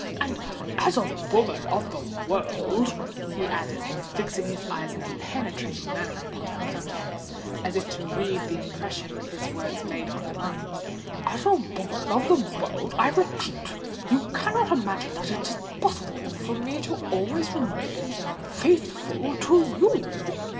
And, as a woman of the world," he added, fixing his eyes in a penetrating manner upon her countenance, as if to read the impression his words made on her mind,—"as a woman of the world, I repeat, you cannot imagine that it is possible for me always to remain faithful to you!"